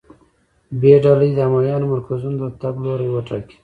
ب ډله دې د امویانو مرکزونو ته تګ لوری وټاکي.